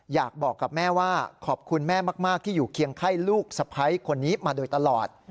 อยากบอกกับแม่ว่าขอบคุณแม่มากที่อยู่เคียงไข้ลูกสะพ้ายคนนี้มาโดยตลอด